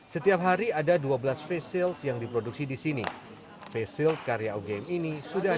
setiap hari ada dua belas facial yang diproduksi disini facial karya game ini sudah